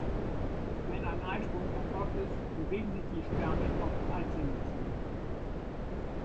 Wenn ein Eisprung erfolgt ist, bewegen sich die Spermien auf die Eizelle zu.